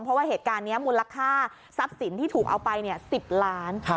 เพราะว่าเหตุการณ์นี้มูลค่าทรัพย์สินที่ถูกเอาไป๑๐ล้าน